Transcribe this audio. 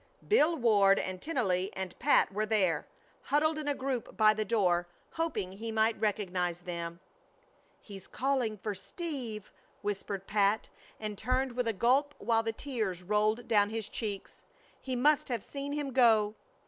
Bill Ward and Tennelly and Pat were there, huddled in a group by the door, hoping he might recognize them. "He's calling for Steve!" whispered Pat, and turned with a gulp while the tears rolled down his cheeks. "He must have seen him go!"